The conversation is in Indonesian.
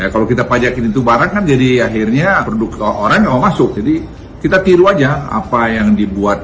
kalau kita pajakin itu barang kan jadi akhirnya produk orang nggak mau masuk jadi kita tiru aja apa yang dibuat